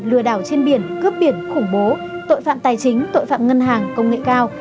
lừa đảo trên biển cướp biển khủng bố tội phạm tài chính tội phạm ngân hàng công nghệ cao